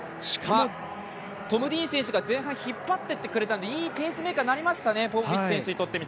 トム・ディーン選手が前半、引っ張ってくれたのでいいペースメーカーになりましたよね